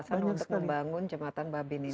banyak sekali alasan untuk membangun jembatan babin ini